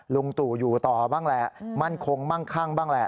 ลุงตู่อยู่ต่อบ้างแหละมั่นคงมั่งคั่งบ้างแหละ